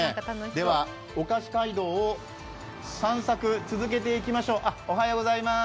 では、お菓子街道を散策続けていきましょう。